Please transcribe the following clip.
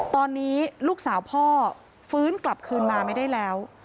ตอนนี้ลูกสาวพ่อฟื้นกลับคืนมาไม่ได้แล้ว